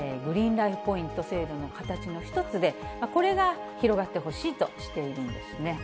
ライフ・ポイント制度の形の一つで、これが広がってほしいとしているんですね。